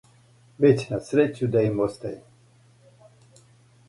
Већ на срећу да им оставимо,